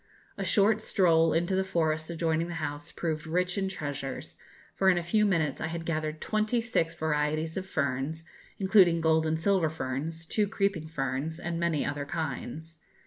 A short stroll into the forest adjoining the house proved rich in treasures, for in a few minutes I had gathered twenty six varieties of ferns, including gold and silver ferns, two creeping ferns, and many other kinds.